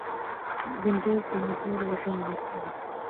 بېنډۍ د نېکمرغه ژوند برخه ده